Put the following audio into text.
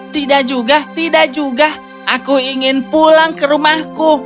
tidak juga tidak juga aku ingin pulang ke rumahku